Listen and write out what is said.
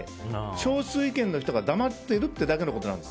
少数意見の人が黙っているというだけのことなんです。